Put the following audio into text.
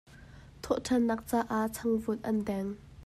Thawhṭhannak caah changvut an deng.